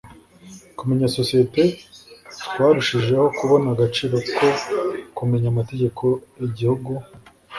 kumenya sosiyete twarushijeho kubona agaciro ko kumenya amategeko igihugu